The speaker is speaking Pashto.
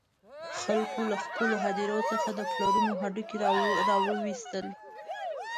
خلکو له خپلو هدیرو څخه د پلرونو هډوکي را وویستل.